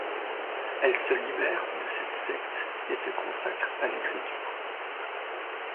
Elle se libère de cette secte et se consacre à l'écriture.